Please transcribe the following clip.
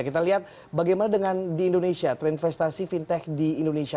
kita lihat bagaimana dengan di indonesia tren investasi fintech di indonesia